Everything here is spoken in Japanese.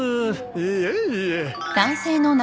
いえいえ。